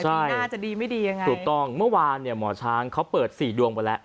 ใช่น่าจะดีไม่ดียังไงถูกต้องเมื่อวานเนี่ยหมอช้างเขาเปิดสี่ดวงไปแล้ว